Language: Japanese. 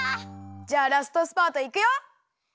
じゃあラストスパートいくよ！